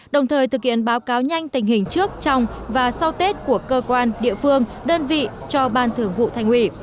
đồng thời thực hiện báo cáo nhanh tình hình trước trong và sau tết của cơ quan địa phương đơn vị cho ban thưởng vụ thành ủy